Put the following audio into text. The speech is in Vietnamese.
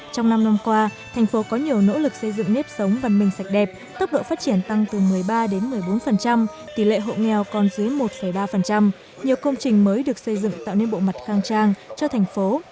trong năm năm qua thành phố có nhiều nỗ lực xây dựng nếp sống văn minh sạch đẹp tốc độ phát triển tăng từ một mươi ba đến một mươi bốn tỷ lệ hộ nghèo còn dưới một ba nhiều công trình mới được xây dựng tạo nên bộ mặt khang trang cho thành phố